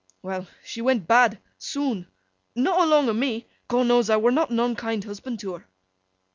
Well! She went bad—soon. Not along of me. Gonnows I were not a unkind husband to her.